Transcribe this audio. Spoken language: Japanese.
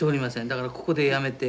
だからここでやめて。